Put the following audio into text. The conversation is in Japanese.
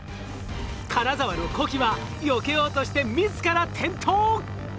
金沢の子機はよけようとして自ら転倒！